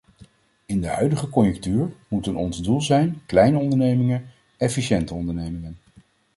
In de huidige conjunctuur moeten ons doel zijn: kleine ondernemingen, efficiënte ondernemingen.